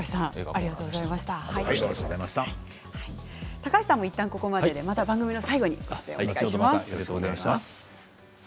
高橋さんもいったんここまででまた番組の最後にお願いします。